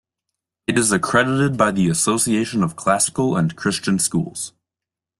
It is accredited by the Association of Classical and Christian Schools.